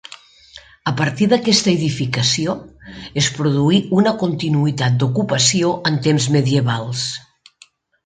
A partir d'aquesta edificació es produí una continuïtat d'ocupació en temps medievals.